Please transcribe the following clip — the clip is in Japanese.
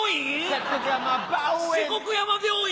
七国山病院。